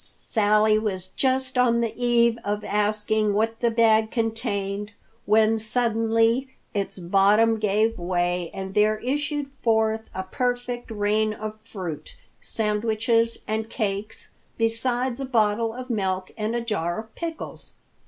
Sally was just on the eve of asking what the bag contained when suddenly its bottom gave way and there issued forth a perfect rain of fruit, sandwiches and cakes, besides a bottle of milk and a jar of pickles.